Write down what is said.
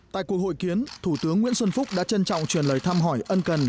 tại cuộc hội kiến thủ tướng nguyễn xuân phúc đã trân trọng truyền lời thăm hỏi ân cần